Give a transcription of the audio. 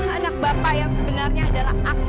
anak bapak yang sebenarnya adalah aksi